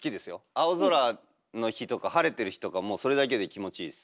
青空の日とか晴れてる日とかもうそれだけで気持ちいいです。